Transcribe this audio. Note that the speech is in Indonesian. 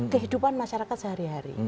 kehidupan masyarakat sehari hari